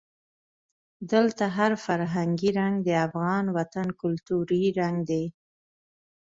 دلته هر فرهنګي رنګ د افغان وطن کلتوري رنګ دی.